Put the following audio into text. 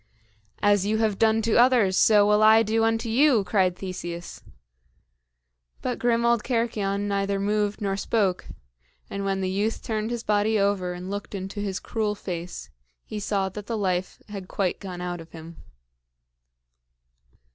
"As you have done to others, so will I do unto you!" cried Theseus. But grim old Cercyon neither moved nor spoke; and when the youth turned his body over and looked into his cruel face, he saw that the life had quite gone out of him.